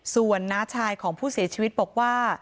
ส่วนน้าชายของผู้เสียชีวิตบอกว่า